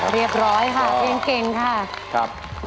เรียบร้อยค่ะเพียงเก่งค่ะ